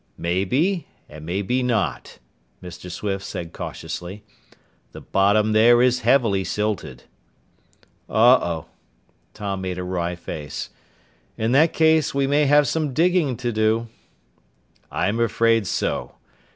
"Maybe and maybe not," Mr. Swift said cautiously. "The bottom there is heavily silted." "Oh oh." Tom made a wry face. "In that case, we may have some digging to do." "I'm afraid so.